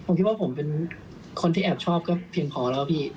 ผมคิดว่าผมเป็นคนที่แอบชอบก็เพียงพอแล้วพี่